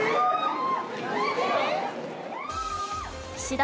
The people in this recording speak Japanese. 岸田